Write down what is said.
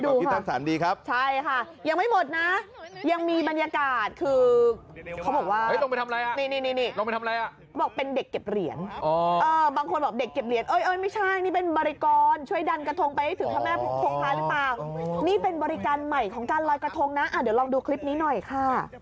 โอ้ยเอาให้ดูค่ะใช่ค่ะยังไม่หมดนะยังมีบรรยากาศคือเขาบอกว่านี่บอกเป็นเด็กเก็บเหรียญบางคนบอกเด็กเก็บเหรียญเอ้ยไม่ใช่นี่เป็นบริกรช่วยดันกระทงไปให้ถึงถ้าแม่พงภาคหรือเปล่านี่เป็นบริการใหม่ของการลดกระทงนะเดี๋ยวลองดูคลิปนี้หน่อยค่ะ